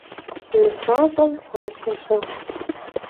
Nısaş'em faşe şığş.